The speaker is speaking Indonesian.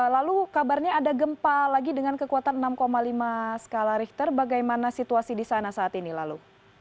lalu kabarnya ada gempa lagi dengan kekuatan enam lima skala richter bagaimana situasi di sana saat ini lalu